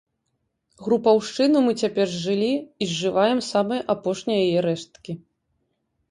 Групаўшчыну мы цяпер зжылі і зжываем самыя апошнія яе рэшткі.